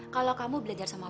kalo kamu belajar sama dia